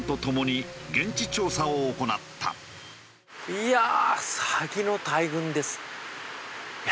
いやあ。